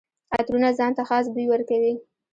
عطرونه ځان ته خاص بوی ورکوي.